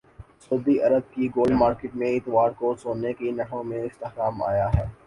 سعودی Arab کی gold market میں اتوار کو سونے کے نرخوں میں استحکام آیا ہے